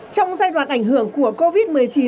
trong giai đoạn ảnh hưởng của covid một mươi chín